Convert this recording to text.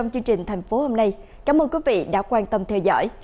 cảm ơn quý vị đã quan tâm theo dõi